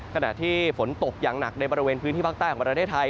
ขณะที่ฝนตกอย่างหนักในบริเวณพื้นที่ภาคใต้ของประเทศไทย